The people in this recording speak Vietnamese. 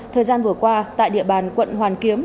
thời gian vừa qua tại địa bàn quận hoàn kiếm